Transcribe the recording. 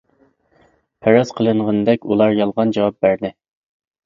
پەرەز قىلىنغىنىدەك، ئۇلار يالغان جاۋاب بەردى.